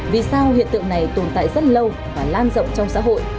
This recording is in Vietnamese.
vì sao hiện tượng này tồn tại rất lâu và lan rộng trong xã hội